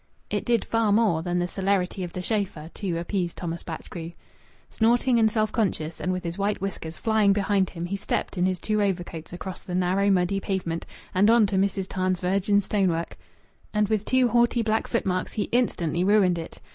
It did far more than the celerity of the chauffeur to appease Thomas Batchgrew. Snorting and self conscious, and with his white whiskers flying behind him, he stepped in his two overcoats across the narrow, muddy pavement and on to Mrs. Tarn's virgin stonework, and with two haughty black footmarks he instantly ruined it.